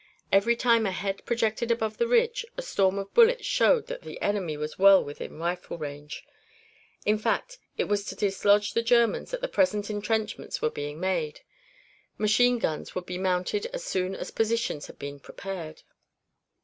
Every time a head projected above the ridge, a storm of bullets showed that the enemy was well within rifle range. In fact, it was to dislodge the Germans that the present intrenchments were being made; machine guns would be mounted as soon as positions had been prepared.